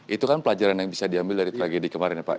itu kan pelajaran yang bisa diambil dari tragedi kemarin ya pak